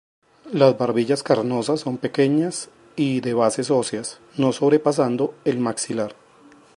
Las barbillas carnosas son pequeñas y de bases óseas, no sobrepasando el maxilar.